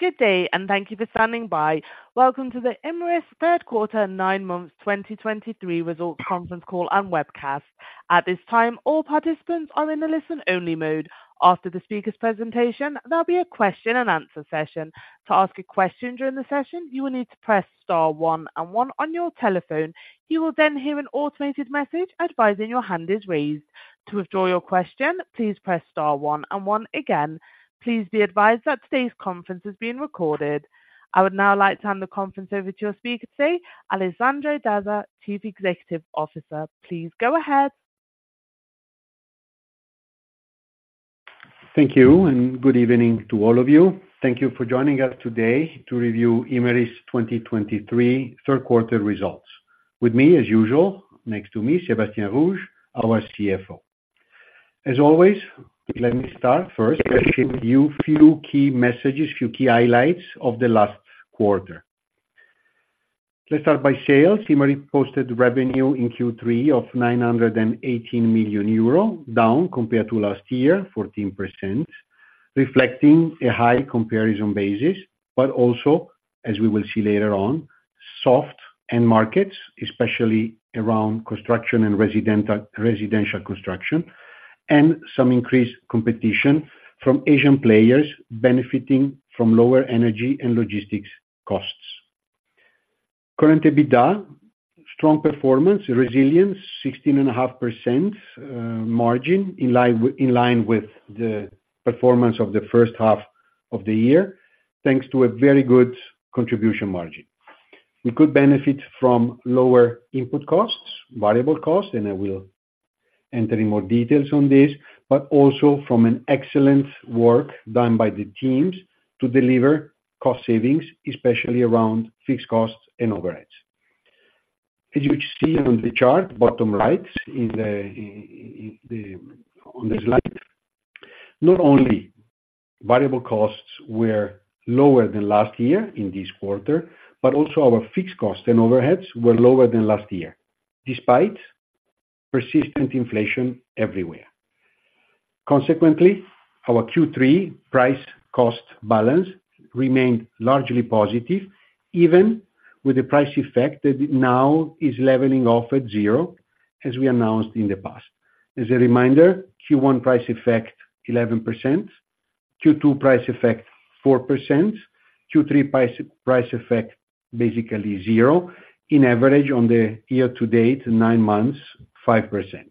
Good day, and thank you for standing by. Welcome to the Imerys third quarter, nine months 2023 results conference call and webcast. At this time, all participants are in a listen-only mode. After the speaker's presentation, there'll be a question-and-answer session. To ask a question during the session, you will need to press star one and one on your telephone. You will then hear an automated message advising your hand is raised. To withdraw your question, please press star one and one again. Please be advised that today's conference is being recorded. I would now like to hand the conference over to your speaker today, Alessandro Dazza, Chief Executive Officer. Please go ahead. Thank you, and good evening to all of you. Thank you for joining us today to review Imerys 2023 third quarter results. With me, as usual, next to me, Sébastien Rouge, our CFO. As always, let me start first with a few key messages, a few key highlights of the last quarter. Let's start by sales. Imerys posted revenue in Q3 of 918 million euro, down compared to last year 14%, reflecting a high comparison basis, but also, as we will see later on, soft end markets, especially around construction and residential construction, and some increased competition from Asian players benefiting from lower energy and logistics costs. Current EBITDA, strong performance, resilience, 16.5% margin, in line with the performance of the first half of the year, thanks to a very good contribution margin. We could benefit from lower input costs, variable costs, and I will enter in more details on this, but also from an excellent work done by the teams to deliver cost savings, especially around fixed costs and overheads. As you see on the chart, bottom right, on the slide. Not only variable costs were lower than last year in this quarter, but also our fixed costs and overheads were lower than last year, despite persistent inflation everywhere. Consequently, our Q3 price cost balance remained largely positive, even with the price effect that now is leveling off at zero, as we announced in the past. As a reminder, Q1 price effect 11%, Q2 price effect 4%, Q3 price effect basically zero. On average, on the year to date, nine months, 5%.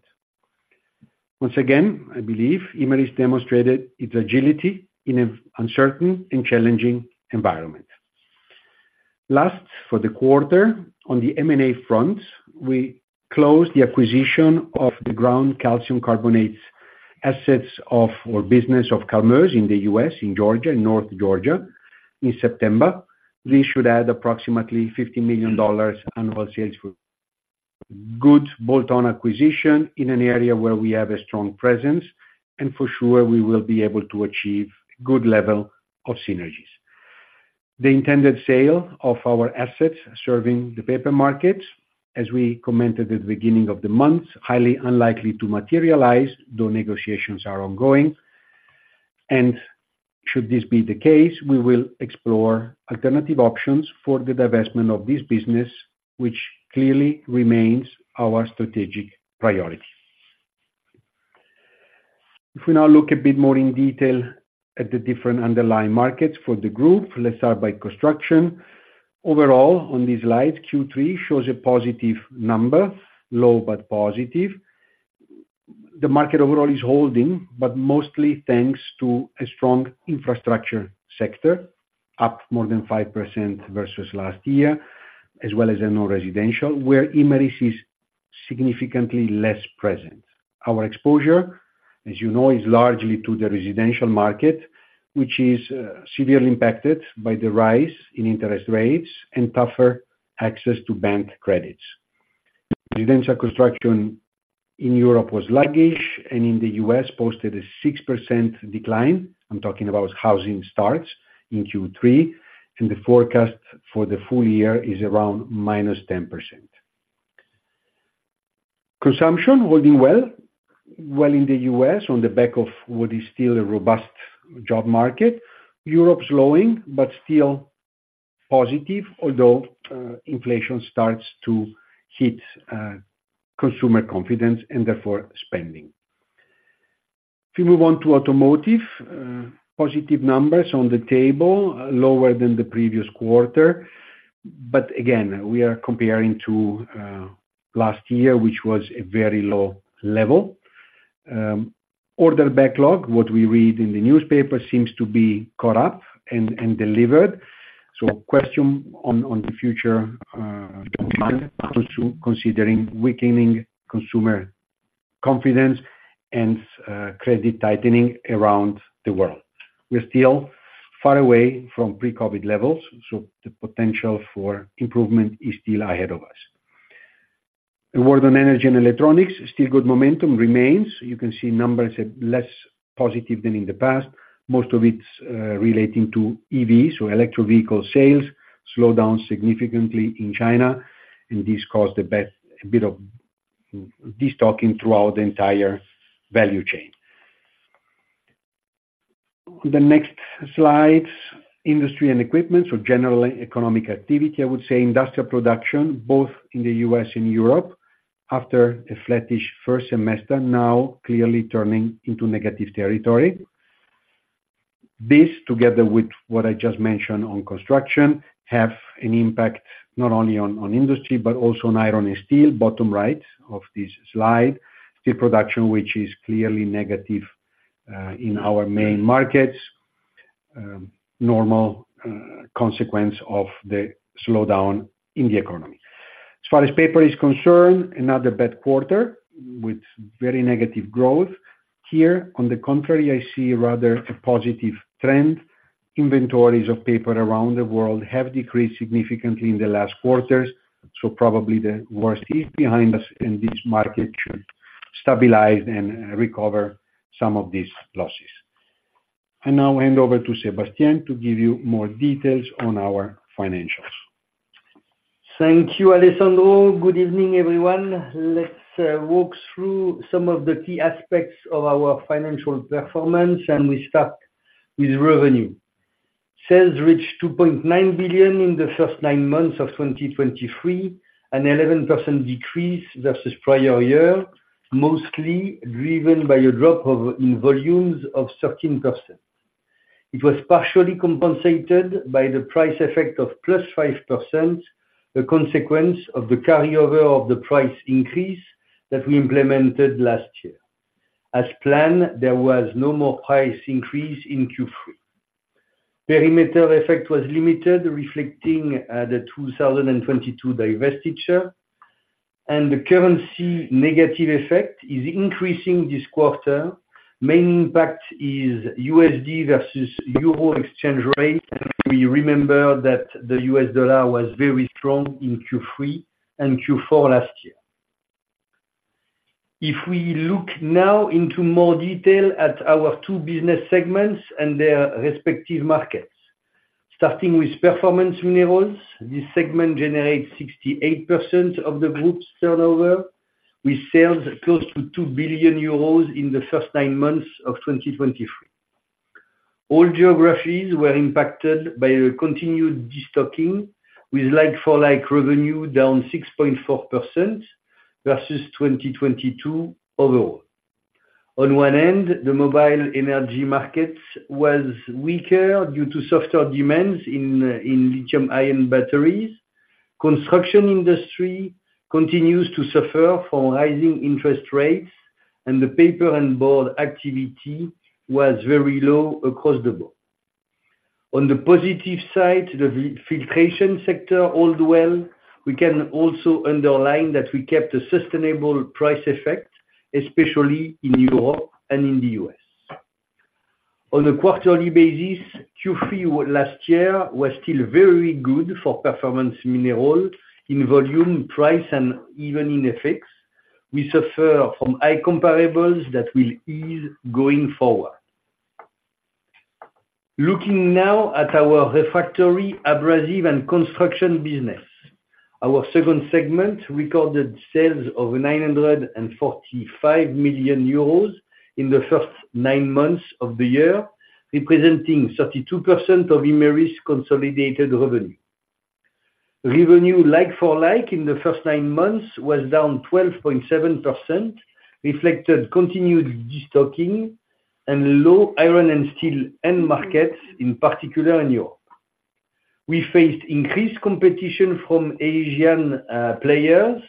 Once again, I believe Imerys demonstrated its agility in an uncertain and challenging environment. Last, for the quarter, on the M&A front, we closed the acquisition of the ground calcium carbonate assets of, or business of Carmeuse in the U.S., in Georgia, in North Georgia, in September. We should add approximately $50 million annual sales for good bolt-on acquisition in an area where we have a strong presence, and for sure, we will be able to achieve good level of synergies. The intended sale of our assets serving the paper markets, as we commented at the beginning of the month, highly unlikely to materialize, though negotiations are ongoing. Should this be the case, we will explore alternative options for the divestment of this business, which clearly remains our strategic priority. If we now look a bit more in detail at the different underlying markets for the group, let's start by construction. Overall, on this slide, Q3 shows a positive number, low but positive. The market overall is holding, but mostly thanks to a strong infrastructure sector, up more than 5% versus last year, as well as a non-residential, where Imerys is significantly less present. Our exposure, as you know, is largely to the residential market, which is severely impacted by the rise in interest rates and tougher access to bank credits. Residential construction in Europe was sluggish, and in the U.S., posted a 6% decline. I'm talking about housing starts in Q3, and the forecast for the full year is around -10%. Consumption holding well, well in the U.S., on the back of what is still a robust job market. Europe's slowing, but still positive, although inflation starts to hit consumer confidence and therefore, spending. If we move on to automotive, positive numbers on the table, lower than the previous quarter. But again, we are comparing to last year, which was a very low level. Order backlog, what we read in the newspaper, seems to be caught up and delivered. So question on the future, considering weakening consumer confidence and credit tightening around the world. We're still far away from pre-COVID levels, so the potential for improvement is still ahead of us. A word on energy and electronics. Still good momentum remains. You can see numbers are less positive than in the past, most of it relating to EVs, so electric vehicle sales slowed down significantly in China, and this caused a bit of a dip-... Destocking throughout the entire value chain. The next slide, industry and equipment. So generally, economic activity, I would say industrial production, both in the U.S. and Europe, after a flattish first semester, now clearly turning into negative territory. This, together with what I just mentioned on construction, have an impact not only on industry, but also on iron and steel. Bottom right of this slide, steel production, which is clearly negative in our main markets, normal consequence of the slowdown in the economy. As far as paper is concerned, another bad quarter with very negative growth. Here, on the contrary, I see rather a positive trend. Inventories of paper around the world have decreased significantly in the last quarters, so probably the worst is behind us, and this market should stabilize and recover some of these losses. I now hand over to Sébastien to give you more details on our financials. Thank you, Alessandro. Good evening, everyone. Let's walk through some of the key aspects of our financial performance, and we start with revenue. Sales reached 2.9 billion in the first nine months of 2023, an 11% decrease versus prior year, mostly driven by a drop in volumes of 13%. It was partially compensated by the price effect of +5%, a consequence of the carryover of the price increase that we implemented last year. As planned, there was no more price increase in Q3. Perimeter effect was limited, reflecting the 2022 divestiture, and the currency negative effect is increasing this quarter. Main impact is USD versus euro exchange rate. We remember that the U.S. dollar was very strong in Q3 and Q4 last year. If we look now into more detail at our two business segments and their respective markets. Starting with Performance Minerals, this segment generates 68% of the group's turnover, with sales close to 2 billion euros in the first nine months of 2023. All geographies were impacted by a continued destocking, with like-for-like revenue down 6.4% versus 2022 overall. On one end, the mobile energy markets was weaker due to softer demands in in lithium-ion batteries. Construction industry continues to suffer from rising interest rates, and the paper and board activity was very low across the board. On the positive side, the Filtration sector hold well. We can also underline that we kept a sustainable price effect, especially in Europe and in the U.S. On a quarterly basis, Q3 last year was still very good for Performance Minerals in volume, price, and even in FX. We suffer from high comparables that will ease going forward. Looking now at our Refractory, Abrasives and Construction business, our second segment recorded sales of 945 million euros in the first nine months of the year, representing 32% of Imerys' consolidated revenue. Revenue, like-for-like, in the first nine months, was down 12.7%, reflected continued destocking and low iron and steel end markets, in particular in Europe. We faced increased competition from Asian players,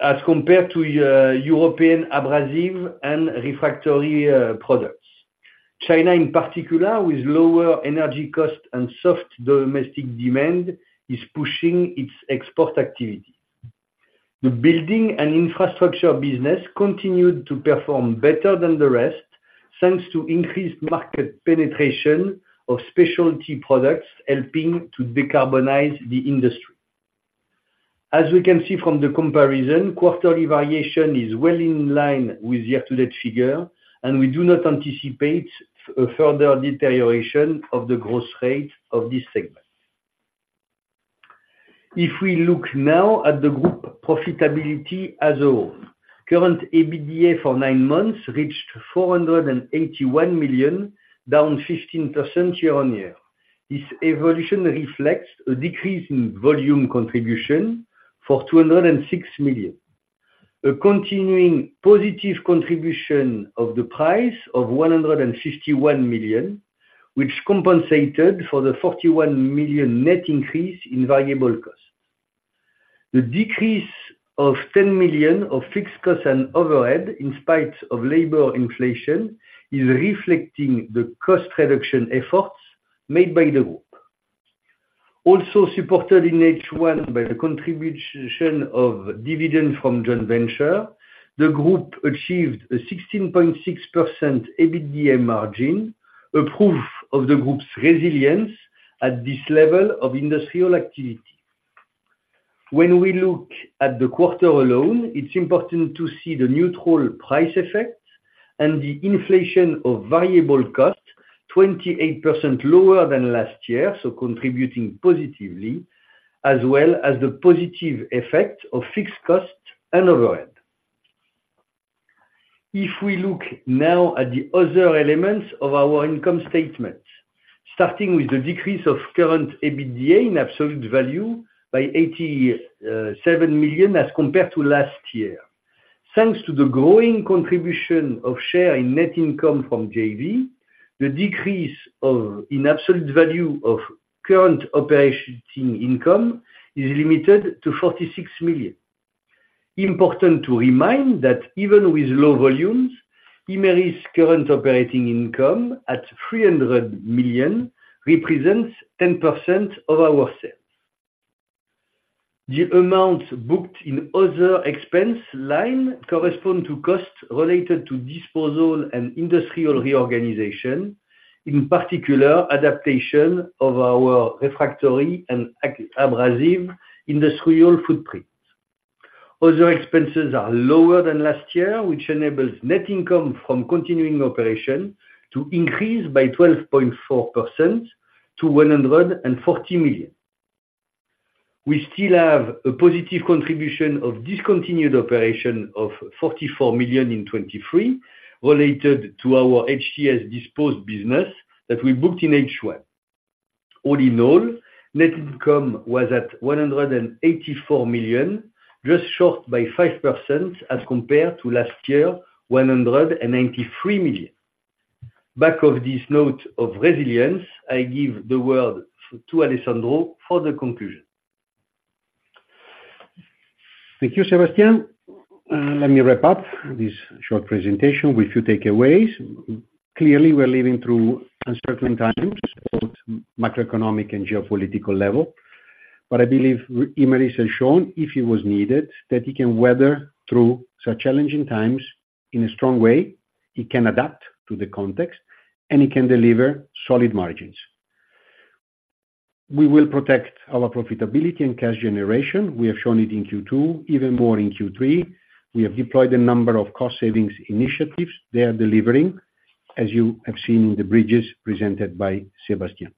as compared to European abrasive and refractory products. China, in particular, with lower energy costs and soft domestic demand, is pushing its export activity. The building and infrastructure business continued to perform better than the rest, thanks to increased market penetration of specialty products, helping to decarbonize the industry. As we can see from the comparison, quarterly variation is well in line with the year-to-date figure, and we do not anticipate a further deterioration of the growth rate of this segment. If we look now at the group profitability as a whole, current EBITDA for nine months reached 481 million, down 15% year-on-year. This evolution reflects a decrease in volume contribution for 206 million. A continuing positive contribution of the price of 151 million, which compensated for the 41 million net increase in variable costs. The decrease of 10 million of fixed costs and overhead, in spite of labor inflation, is reflecting the cost reduction efforts made by the group. Also supported in H1 by the contribution of dividend from joint venture, the group achieved a 16.6% EBITDA margin, a proof of the group's resilience at this level of industrial activity. When we look at the quarter alone, it's important to see the neutral price effect... and the inflation of variable costs 28% lower than last year, so contributing positively, as well as the positive effect of fixed costs and overhead. If we look now at the other elements of our income statement, starting with the decrease in absolute value of current EBITDA by 87 million as compared to last year. Thanks to the growing contribution of share in net income from JV, the decrease in absolute value of current operating income is limited to 46 million. Important to remind that even with low volumes, Imerys' current operating income at 300 million represents 10% of our sales. The amount booked in other expense line correspond to costs related to disposal and industrial reorganization, in particular, adaptation of our Refractory and Abrasive industrial footprint. Other expenses are lower than last year, which enables net income from continuing operation to increase by 12.4% to 140 million. We still have a positive contribution of discontinued operation of 44 million in 2023, related to our HTS disposed business that we booked in H1. All in all, net income was at 184 million, just short by 5% as compared to last year, 193 million. Back of this note of resilience, I give the word to Alessandro for the conclusion. Thank you, Sébastien. Let me wrap up this short presentation with a few takeaways. Clearly, we're living through uncertain times, both macroeconomic and geopolitical level. But I believe Imerys has shown, if it was needed, that it can weather through such challenging times in a strong way, it can adapt to the context, and it can deliver solid margins. We will protect our profitability and cash generation. We have shown it in Q2, even more in Q3. We have deployed a number of cost savings initiatives. They are delivering, as you have seen in the bridges presented by Sébastien.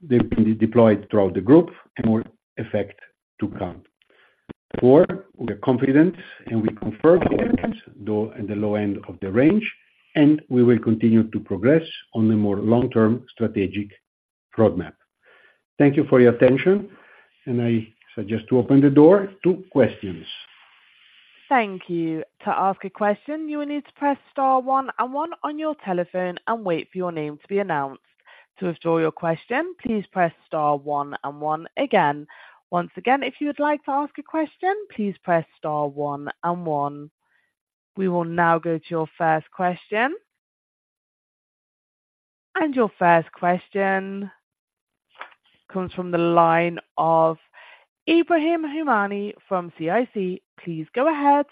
They've been deployed throughout the group and more effect to come. Four, we are confident, and we confirm the guidance, though, in the low end of the range, and we will continue to progress on the more long-term strategic roadmap. Thank you for your attention, and I suggest to open the door to questions. Thank you. To ask a question, you will need to press star one and one on your telephone and wait for your name to be announced. To withdraw your question, please press star one and one again. Once again, if you would like to ask a question, please press star one and one. We will now go to your first question. Your first question comes from the line of Ebrahim Homani from CIC. Please go ahead.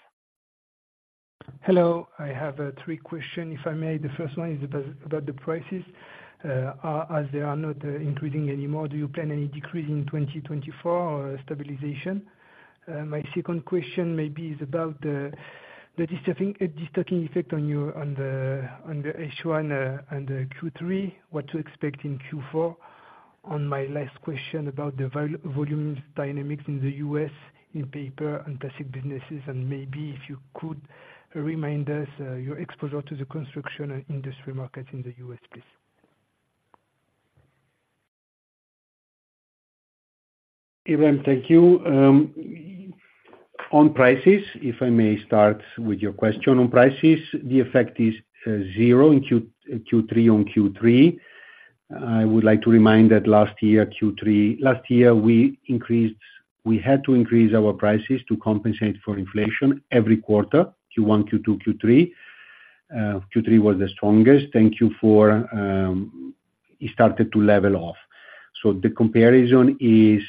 Hello, I have three question, if I may. The first one is about the prices. As they are not increasing anymore, do you plan any decrease in 2024 or stabilization? My second question maybe is about the destocking effect on your H1 and the Q3. What to expect in Q4? On my last question about the volume dynamics in the U.S., in paper and plastic businesses, and maybe if you could remind us your exposure to the construction and industry market in the U.S., please. Ebrahim, thank you. On prices, if I may start with your question on prices. The effect is zero in Q3 on Q3. I would like to remind that last year Q3, last year, we increased, we had to increase our prices to compensate for inflation every quarter, Q1, Q2, Q3. Q3 was the strongest. Thank you for, it started to level off. So the comparison is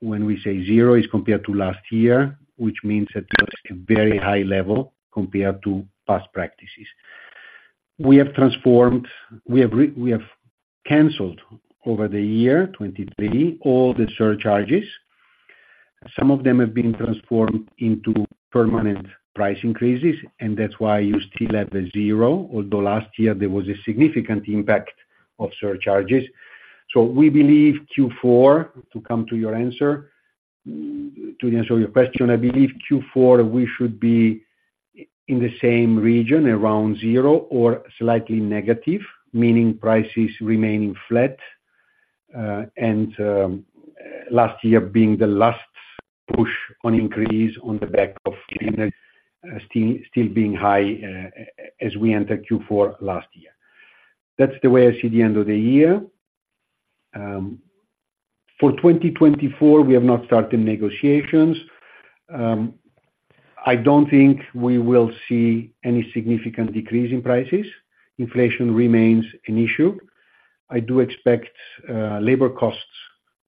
when we say zero is compared to last year, which means that it was a very high level compared to past practices. We have transformed, we have canceled over the year, 2023, all the surcharges. Some of them have been transformed into permanent price increases, and that's why you still have the zero, although last year there was a significant impact of surcharges. So we believe Q4, to come to your answer, to answer your question, I believe Q4, we should be in the same region, around zero or slightly negative, meaning prices remaining flat, and last year being the last push on increase on the back of energy, still being high, as we enter Q4 last year. That's the way I see the end of the year. For 2024, we have not started negotiations. I don't think we will see any significant decrease in prices. Inflation remains an issue. I do expect labor costs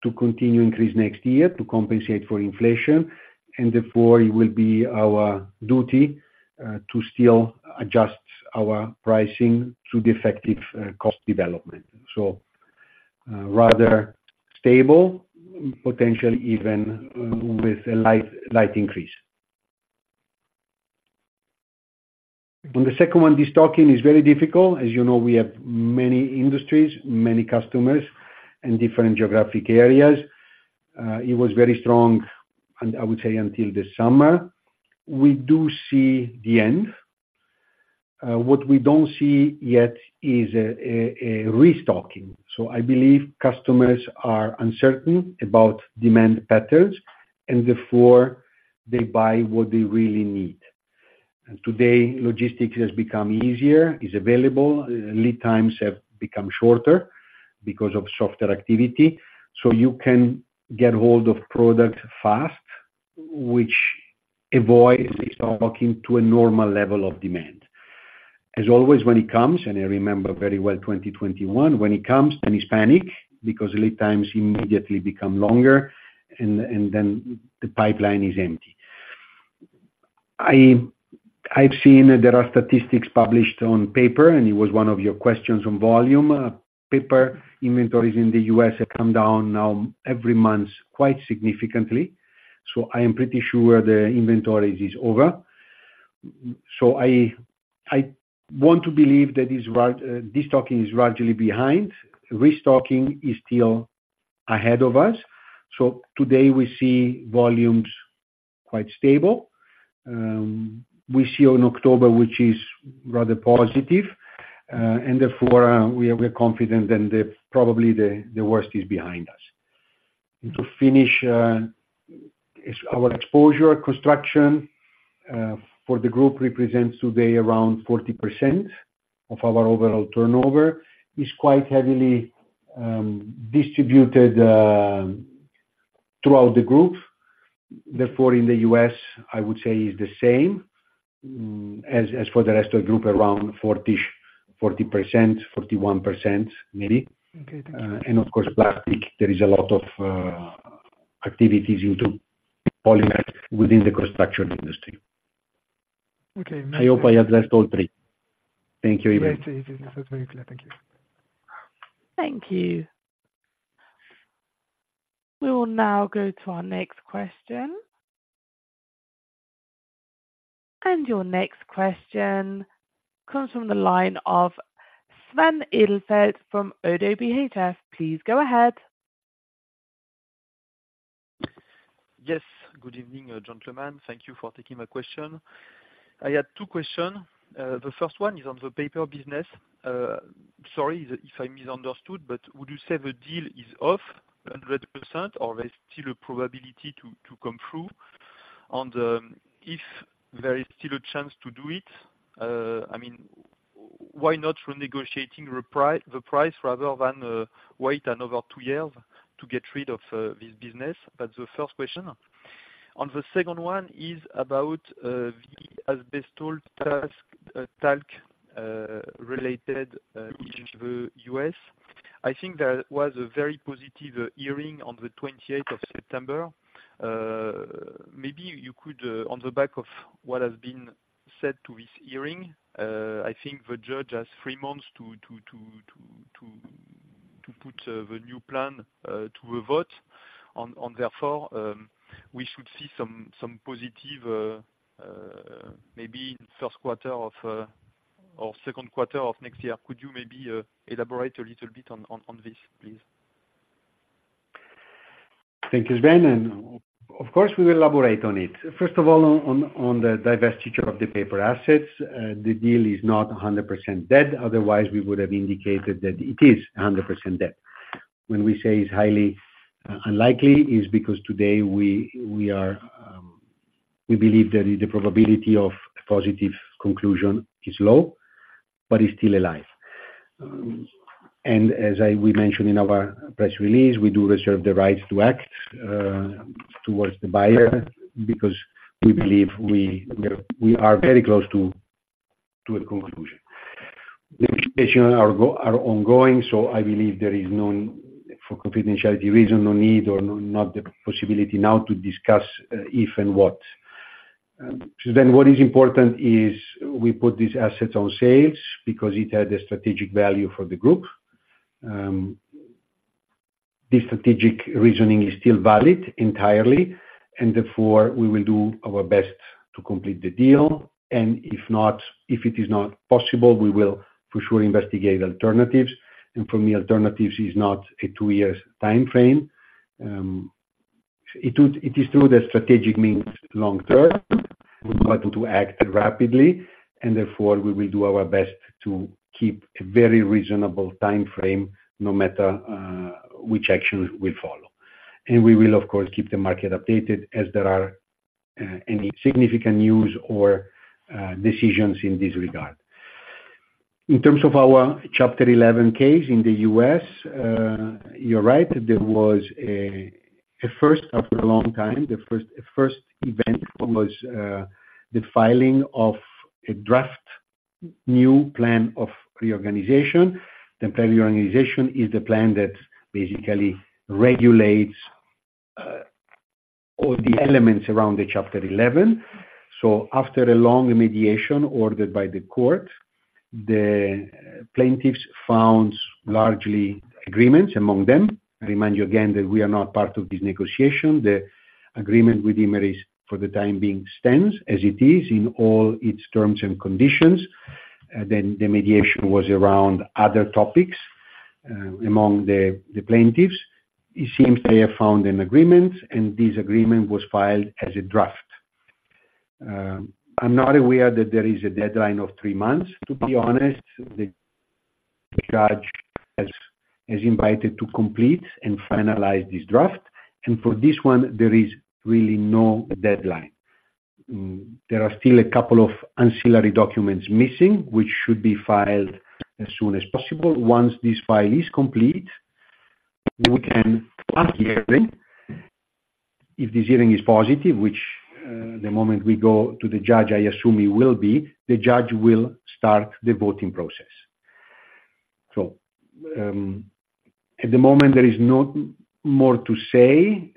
to continue increase next year to compensate for inflation, and therefore, it will be our duty to still adjust our pricing to the effective cost development. Rather stable, potentially even with a light increase. On the second one, destocking is very difficult. As you know, we have many industries, many customers, in different geographic areas. It was very strong, and I would say until the summer, we do see the end. What we don't see yet is a restocking. So I believe customers are uncertain about demand patterns, and therefore they buy what they really need. And today, logistics has become easier, is available, lead times have become shorter because of softer activity. So you can get hold of product fast, which avoids restocking to a normal level of demand. As always, when it comes, and I remember very well, 2021, when it comes, then it's panic, because lead times immediately become longer and then the pipeline is empty. I've seen there are statistics published on paper, and it was one of your questions on volume. Paper inventories in the U.S. have come down now every month quite significantly, so I am pretty sure the inventories is over. So I, I want to believe that is right, destocking is largely behind. Restocking is still ahead of us. So today we see volumes quite stable. We see on October, which is rather positive, and therefore, we are, we're confident, and the probably the, the worst is behind us. And to finish, is our exposure construction, for the group represents today around 40% of our overall turnover, is quite heavily, distributed, throughout the group. Therefore, in the U.S., I would say is the same, as, as for the rest of the group, around 40%, 40%, 41%, maybe. Okay. Thank you. And of course, plastic, there is a lot of activities into polymer within the construction industry. Okay, thank you. I hope I addressed all three. Thank you even. Yes, yes, that's very clear. Thank you. Thank you. We will now go to our next question. Your next question comes from the line of Sven Edelfelt from ODDO BHF. Please go ahead. Yes, good evening, gentlemen. Thank you for taking my question. I had two questions. The first one is on the paper business. Sorry if I misunderstood, but would you say the deal is off 100%, or there's still a probability to come through? On the, if there is still a chance to do it, I mean, why not renegotiating the price rather than wait another two years to get rid of this business? That's the first question. On the second one is about the asbestos talc related to the U.S. I think there was a very positive hearing on the 28th of September. Maybe you could, on the back of what has been said to this hearing, I think the judge has three months to put the new plan to a vote and therefore, we should see some positive maybe in first quarter or second quarter of next year. Could you maybe elaborate a little bit on this, please? Thank you, Sven. Of course, we will elaborate on it. First of all, on the divestiture of the paper assets, the deal is not 100% dead. Otherwise, we would have indicated that it is 100% dead. When we say it's highly unlikely, is because today we are, we believe that the probability of a positive conclusion is low, but it's still alive. And as we mentioned in our press release, we do reserve the right to act towards the buyer because we believe we are very close to a conclusion. Negotiations are ongoing, so I believe there is no, for confidentiality reasons, no need or no, not the possibility now to discuss if and what. Sven, what is important is we put these assets on sales because it had a strategic value for the group. The strategic reasoning is still valid entirely, and therefore we will do our best to complete the deal, and if not, if it is not possible, we will for sure investigate alternatives. For me, alternatives is not a two years timeframe. It would, it is true that strategic means long term. We've got to act rapidly, and therefore, we will do our best to keep a very reasonable timeframe, no matter which action we follow. We will, of course, keep the market updated as there are any significant news or decisions in this regard. In terms of our Chapter 11 case in the U.S., you're right. There was a first after a long time, the first event was the filing of a draft new plan of reorganization. The plan of reorganization is the plan that basically regulates all the elements around the Chapter 11. So after a long mediation ordered by the court, the plaintiffs found largely agreements among them. I remind you again that we are not part of this negotiation. The agreement with Imerys, for the time being, stands as it is in all its terms and conditions. Then the mediation was around other topics among the plaintiffs. It seems they have found an agreement, and this agreement was filed as a draft. I'm not aware that there is a deadline of three months, to be honest. The judge is invited to complete and finalize this draft, and for this one, there is really no deadline. There are still a couple of ancillary documents missing, which should be filed as soon as possible. Once this file is complete, we can hearing. If this hearing is positive, which, the moment we go to the judge, I assume it will be, the judge will start the voting process. At the moment, there is not more to say.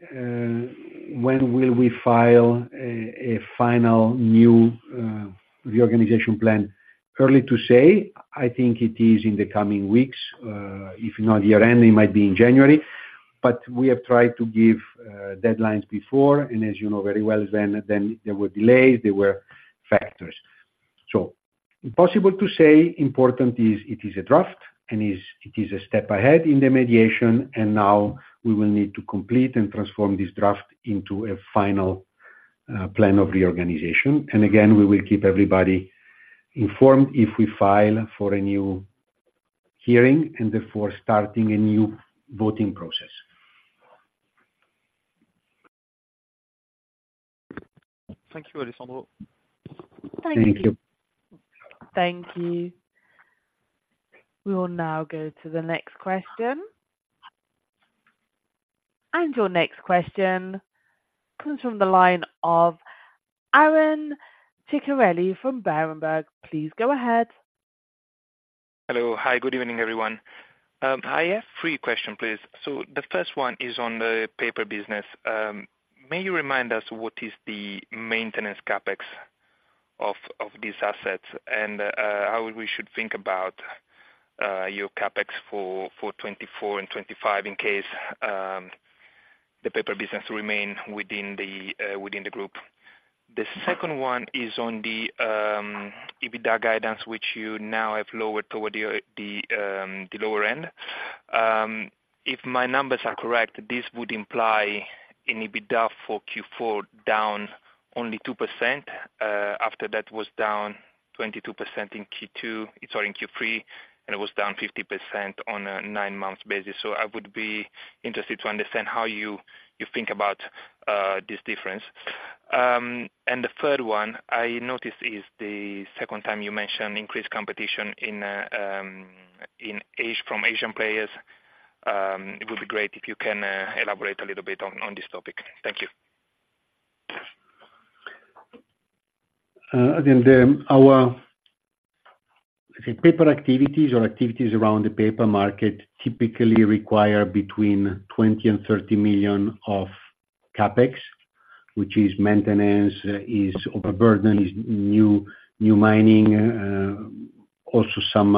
When will we file a final new reorganization plan? Early to say. I think it is in the coming weeks, if not year-end, it might be in January. We have tried to give deadlines before, and as you know very well, then there were delays, there were factors. Impossible to say. Important is, it is a draft, and it is a step ahead in the mediation, and now we will need to complete and transform this draft into a final plan of reorganization. Again, we will keep everybody informed if we file for a new hearing and therefore starting a new voting process. Thank you, Alessandro. Thank you. Thank you. Thank you. We will now go to the next question. Your next question comes from the line of Aron Ceccarelli from Berenberg. Please go ahead. Hello. Hi, good evening, everyone. I have three question, please. So the first one is on the paper business. May you remind us what is the maintenance CapEx of these assets? And how we should think about your CapEx for 2024 and 2025, in case the paper business remain within the group. The second one is on the EBITDA guidance, which you now have lowered toward the lower end. If my numbers are correct, this would imply an EBITDA for Q4, down only 2%, after that was down 22% in Q3, and it was down 50% on a nine-month basis. So I would be interested to understand how you think about this difference. The third one I noticed is the second time you mentioned increased competition in Asia from Asian players. It would be great if you can elaborate a little bit on this topic. Thank you. And then our, the paper activities or activities around the paper market typically require between 20 million and 30 million of CapEx, which is maintenance, is overburden, is new mining, also some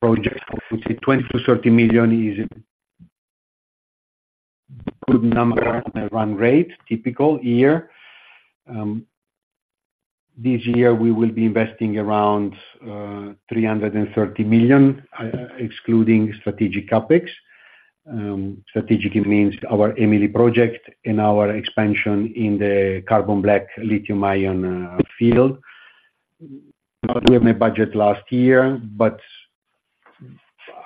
projects. I would say 20 million-30 million is a good number on a run rate, typical year. This year, we will be investing around 330 million, excluding strategic CapEx. Strategically means our EMILI project and our expansion in the carbon black lithium-ion field. But we have a budget last year, but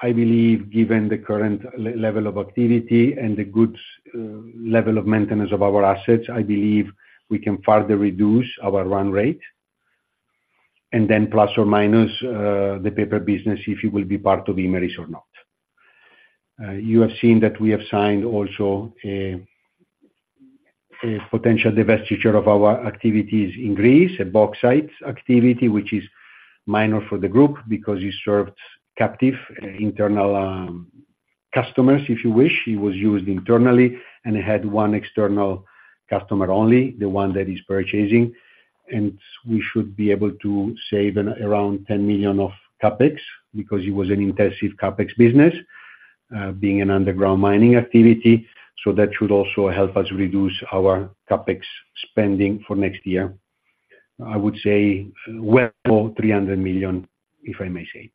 I believe given the current level of activity and the good level of maintenance of our assets, I believe we can further reduce our run rate, and then plus or minus the paper business, if it will be part of Imerys or not. You have seen that we have signed also a potential divestiture of our activities in Greece, a bauxite activity, which is minor for the group because it serves captive, internal, customers, if you wish. It was used internally and it had one external customer only, the one that is purchasing. And we should be able to save around 10 million of CapEx because it was an intensive CapEx business, being an underground mining activity. So that should also help us reduce our CapEx spending for next year. I would say well, 300 million, if I may say.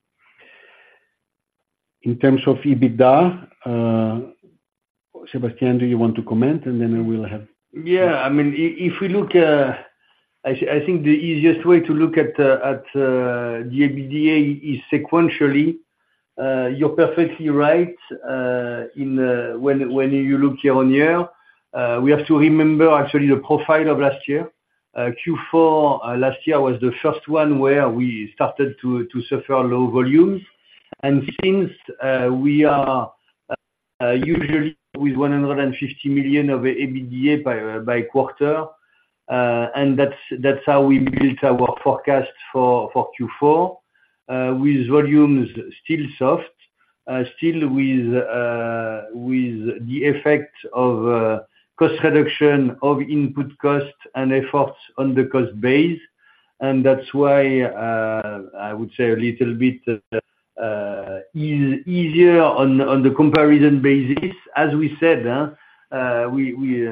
In terms of EBITDA, Sébastien, do you want to comment? And then I will have- Yeah. I mean, if we look, I think the easiest way to look at the EBITDA is sequentially. You're perfectly right. When you look year-on-year, we have to remember actually the profile of last year. Q4 last year was the first one where we started to suffer low volumes. And since we are usually with 150 million of EBITDA by quarter, and that's how we built our forecast for Q4 with volumes still soft... still with the effect of cost reduction of input costs and efforts on the cost base. And that's why I would say a little bit easier on the comparison basis. As we said, we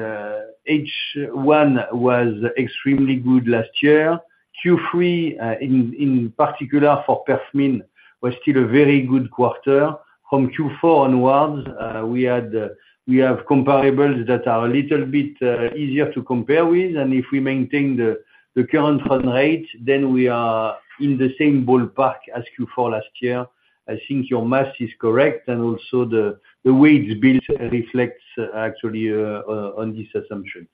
H1 was extremely good last year. Q3, in particular for PERFMIN, was still a very good quarter. From Q4 onwards, we have comparables that are a little bit easier to compare with, and if we maintain the current run rate, then we are in the same ballpark as Q4 last year. I think your math is correct, and also the wage build reflects actually on these assumptions.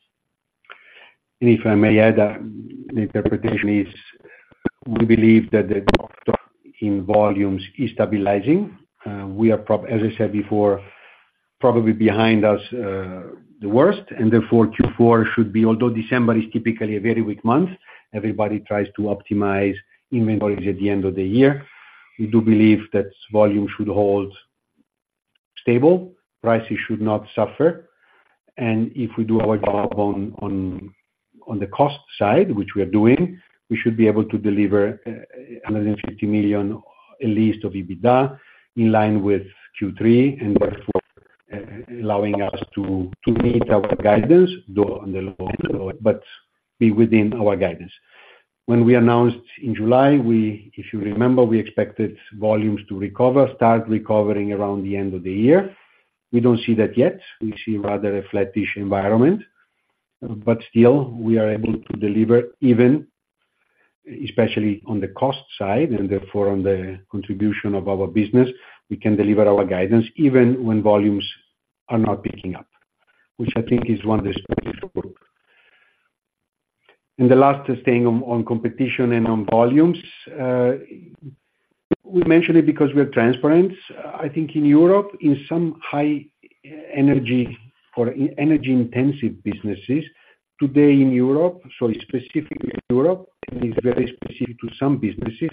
And if I may add, the interpretation is we believe that the drop in volumes is stabilizing. We are probably, as I said before, behind us the worst, and therefore Q4 should be... Although December is typically a very weak month, everybody tries to optimize inventories at the end of the year. We do believe that volume should hold stable, prices should not suffer, and if we do our job on the cost side, which we are doing, we should be able to deliver 150 million, at least, of EBITDA in line with Q3, and therefore allowing us to meet our guidance, though on the low end, but be within our guidance. When we announced in July, if you remember, we expected volumes to recover, start recovering around the end of the year. We don't see that yet. We see rather a flattish environment, but still, we are able to deliver, even especially on the cost side, and therefore on the contribution of our business, we can deliver our guidance even when volumes are not picking up, which I think is one distinction. And the last thing on competition and on volumes, we mention it because we're transparent. I think in Europe, in some high energy or energy intensive businesses, today in Europe, so specifically in Europe, and it's very specific to some businesses,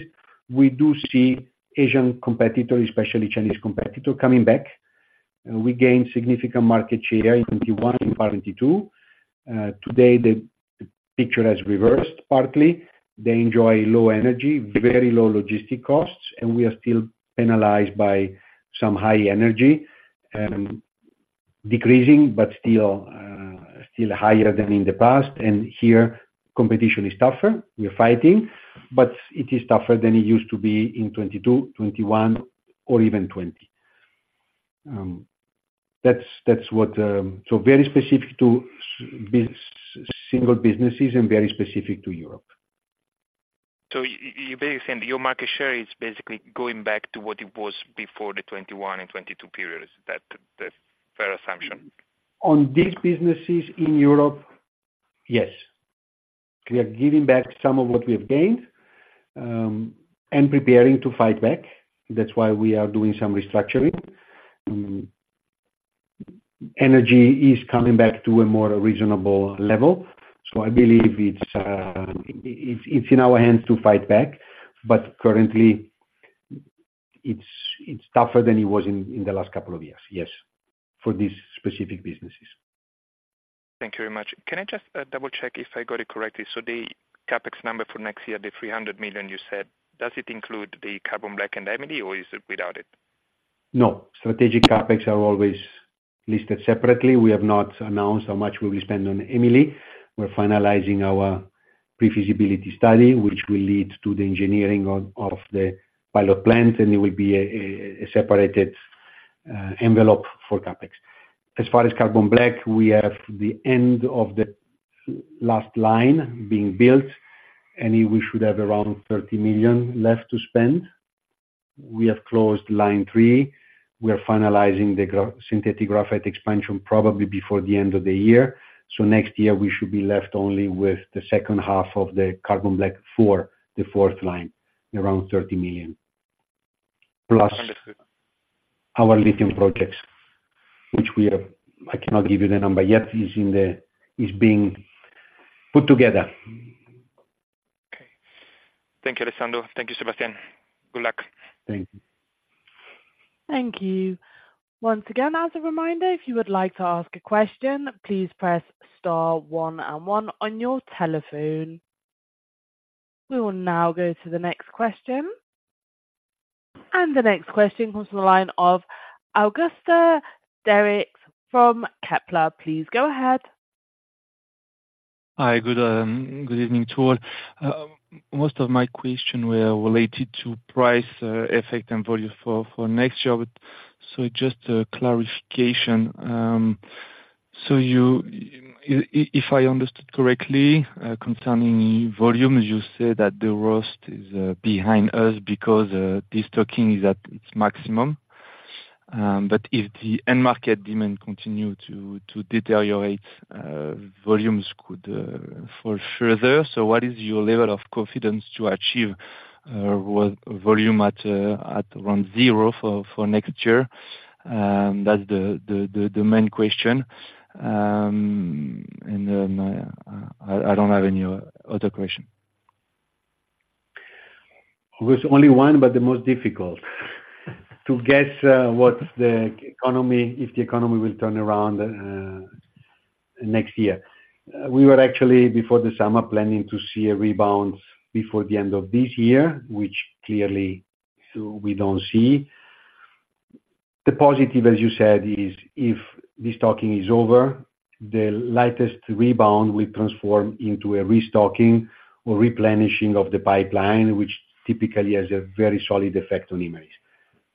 we do see Asian competitors, especially Chinese competitors, coming back. We gained significant market share in 2021 and 2022. Today, the picture has reversed partly. They enjoy low energy, very low logistic costs, and we are still penalized by some high energy, decreasing, but still higher than in the past. And here, competition is tougher. We are fighting, but it is tougher than it used to be in 2022, 2021, or even 2020. That's what. So very specific to this single businesses and very specific to Europe. So you're basically saying your market share is basically going back to what it was before the 2021 and 2022 periods. Is that the fair assumption? On these businesses in Europe, yes. We are giving back some of what we have gained, and preparing to fight back. That's why we are doing some restructuring. Energy is coming back to a more reasonable level, so I believe it's in our hands to fight back, but currently it's tougher than it was in the last couple of years, yes, for these specific businesses. Thank you very much. Can I just double-check if I got it correctly? So the CapEx number for next year, the 300 million you said, does it include the carbon black and EMILI, or is it without it? No. Strategic CapEx are always listed separately. We have not announced how much we will spend on EMILI. We're finalizing our pre-feasibility study, which will lead to the engineering of the pilot plant, and it will be a separated envelope for CapEx. As far as carbon black, we have the end of the last line being built, and we should have around 30 million left to spend. We have closed line three. We are finalizing the synthetic graphite expansion, probably before the end of the year. So next year we should be left only with the second half of the carbon black for the fourth line, around 30 million. Understood. Plus our lithium projects, which we are, I cannot give you the number yet, is being put together. Okay. Thank you, Alessandro. Thank you, Sébastien. Good luck. Thank you. Thank you. Once again, as a reminder, if you would like to ask a question, please press star one and one on your telephone. We will now go to the next question. The next question comes from the line of Auguste Deryckx from Kepler. Please go ahead. Hi, good evening to all. Most of my question were related to price effect and volume for next year. So just a clarification, so you, if I understood correctly, concerning volumes, you said that the worst is behind us because destocking is at its maximum. But if the end market demand continue to deteriorate, volumes could fall further. So what is your level of confidence to achieve what volume at around zero for next year? That's the main question. And then, I don't have any other question. It was only one, but the most difficult. To guess what the economy—if the economy will turn around next year. We were actually, before the summer, planning to see a rebound before the end of this year, which clearly, so we don't see. The positive, as you said, is if this talking is over, the lightest rebound will transform into a restocking or replenishing of the pipeline, which typically has a very solid effect on Imerys.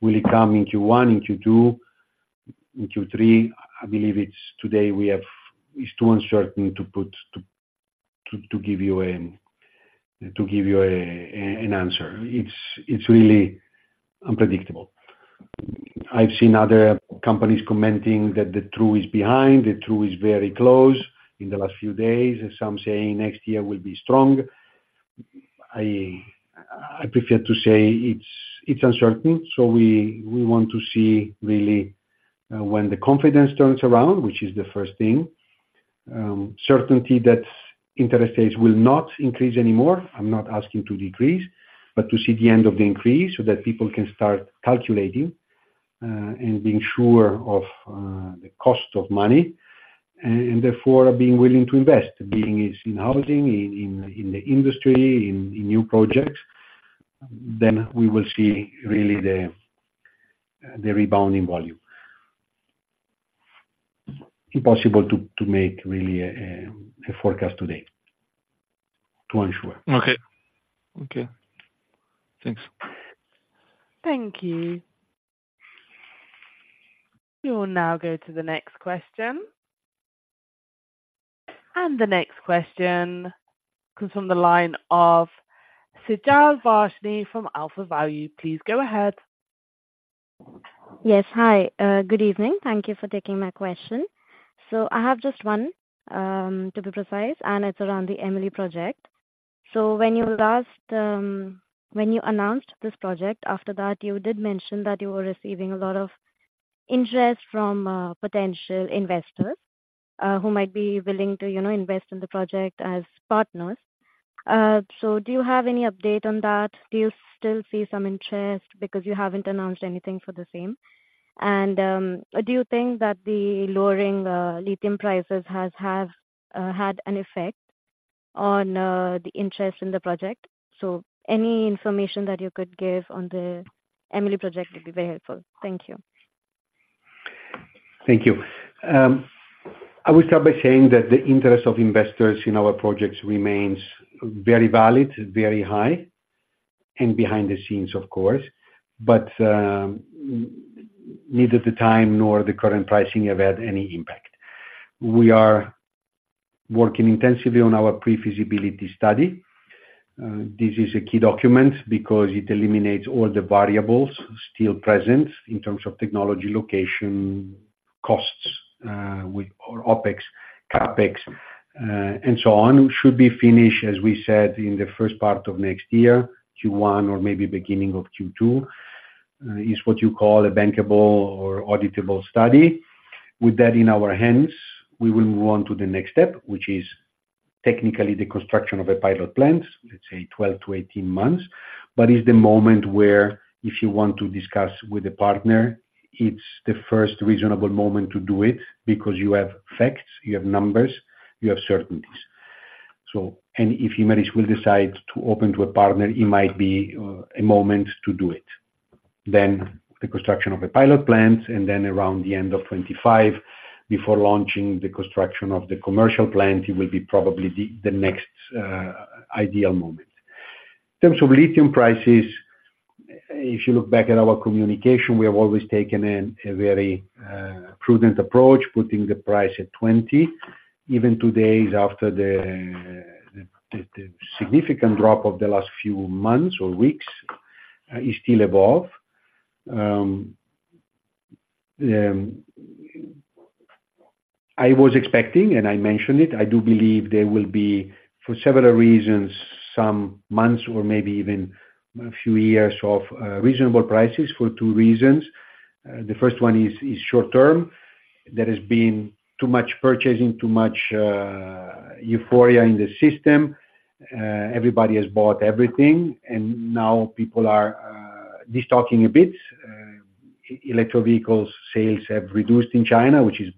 Will it come in Q1, in Q2, in Q3? I believe it's today we have... It's too uncertain to give you an answer. It's really unpredictable. I've seen other companies commenting that the trough is behind, the trough is very close in the last few days, and some saying next year will be strong. I prefer to say it's uncertain, so we want to see really when the confidence turns around, which is the first thing. Certainty that interest rates will not increase anymore. I'm not asking to decrease, but to see the end of the increase so that people can start calculating and being sure of the cost of money, and therefore being willing to invest, be it in housing, in the industry, in new projects; then we will see really the rebounding volume. Impossible to make really a forecast today, to ensure. Okay. Okay. Thanks. Thank you. We will now go to the next question. The next question comes from the line of Sejal Varshney from AlphaValue. Please go ahead. Yes. Hi, good evening. Thank you for taking my question. So I have just one, to be precise, and it's around the EMILI project. So when you announced this project, after that, you did mention that you were receiving a lot of interest from potential investors who might be willing to, you know, invest in the project as partners. So do you have any update on that? Do you still see some interest because you haven't announced anything for the same? And, do you think that the lowering lithium prices have had an effect on the interest in the project? So any information that you could give on the EMILI project would be very helpful. Thank you. Thank you. I will start by saying that the interest of investors in our projects remains very valid, very high, and behind the scenes, of course. But, neither the time nor the current pricing have had any impact. We are working intensively on our pre-feasibility study. This is a key document because it eliminates all the variables still present in terms of technology, location, costs, with our OpEx, CapEx, and so on, should be finished, as we said, in the first part of next year, Q1 or maybe beginning of Q2. Is what you call a bankable or auditable study. With that in our hands, we will move on to the next step, which is technically the construction of a pilot plant, let's say 12-18 months. But it's the moment where if you want to discuss with the partner, it's the first reasonable moment to do it because you have facts, you have numbers, you have certainties. So, and if management will decide to open to a partner, it might be a moment to do it. Then the construction of a pilot plant, and then around the end of 2025, before launching the construction of the commercial plant, it will be probably the next ideal moment. In terms of lithium prices, if you look back at our communication, we have always taken a very prudent approach, putting the price at 20. Even today, after the significant drop of the last few months or weeks, is still above. I was expecting, and I mentioned it, I do believe there will be, for several reasons, some months or maybe even a few years of reasonable prices for two reasons. The first one is short term. There has been too much purchasing, too much euphoria in the system. Everybody has bought everything, and now people are destocking a bit. Electric vehicles sales have reduced in China, which is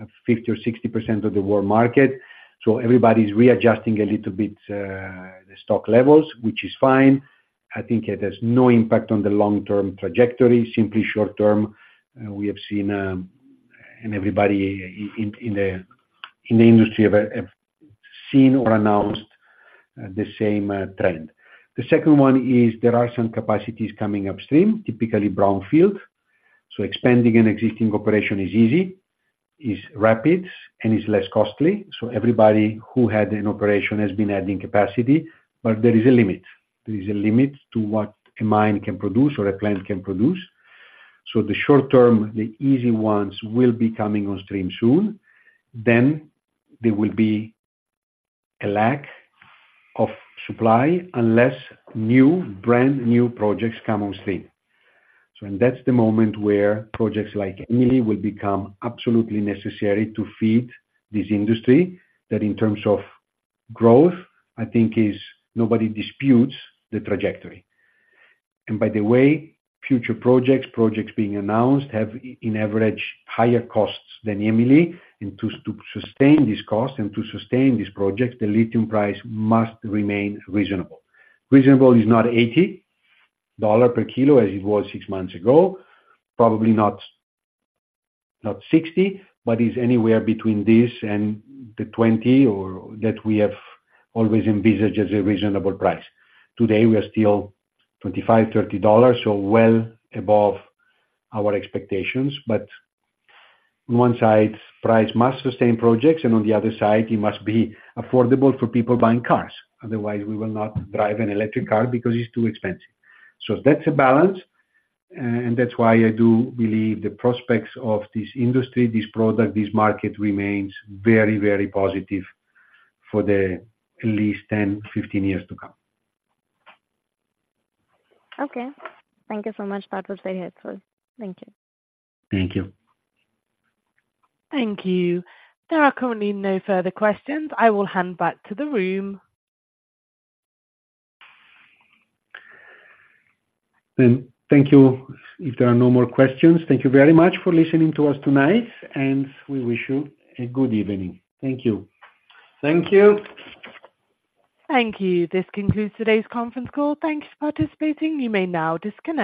at 50% or 60% of the world market. So everybody is readjusting a little bit the stock levels, which is fine. I think it has no impact on the long-term trajectory, simply short-term. We have seen, and everybody in the industry have seen or announced the same trend. The second one is there are some capacities coming upstream, typically brownfield. So expanding an existing operation is easy, is rapid, and is less costly. So everybody who had an operation has been adding capacity, but there is a limit. There is a limit to what a mine can produce or a plant can produce. So the short term, the easy ones, will be coming on stream soon. Then there will be a lack of supply unless new, brand new projects come on stream. So and that's the moment where projects like EMILI will become absolutely necessary to feed this industry, that in terms of growth, I think is nobody disputes the trajectory. And by the way, future projects, projects being announced, have in average, higher costs than EMILI, and to sustain this cost and to sustain these projects, the lithium price must remain reasonable. Reasonable is not $80 per kilo, as it was six months ago. Probably not, not $60, but is anywhere between this and the $20, or that we have always envisaged as a reasonable price. Today, we are still $25-$30, so well above our expectations. But on one side, price must sustain projects, and on the other side, it must be affordable for people buying cars. Otherwise, we will not drive an electric car because it's too expensive. So that's a balance, and that's why I do believe the prospects of this industry, this product, this market, remains very, very positive for at least 10-15 years to come. Okay. Thank you so much. That was very helpful. Thank you. Thank you. Thank you. There are currently no further questions. I will hand back to the room. Thank you. If there are no more questions, thank you very much for listening to us tonight, and we wish you a good evening. Thank you. Thank you. Thank you. This concludes today's conference call. Thanks for participating. You may now disconnect.